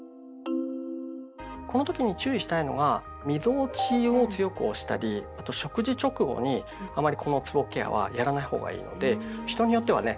この時に注意したいのがみぞおちを強く押したりあと食事直後にあまりこのつぼケアはやらないほうがいいので人によってはね